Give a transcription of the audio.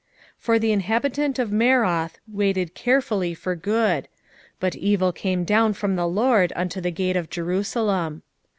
1:12 For the inhabitant of Maroth waited carefully for good: but evil came down from the LORD unto the gate of Jerusalem.